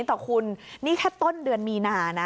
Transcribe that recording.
แต่คุณนี่แค่ต้นเดือนมีนานะ